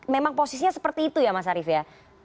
memang posisinya seperti itu ya mas arief ya